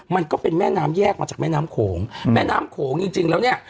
มันก็เป็นแม่น้ำแยกมาจากแม่น้ำโขงแม่น้ำโขงจริงจริงแล้วเนี่ย